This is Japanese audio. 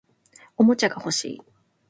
おもちゃが欲しい